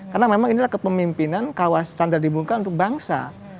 karena memang inilah kepemimpinan kawasan yang dibuka untuk bangsa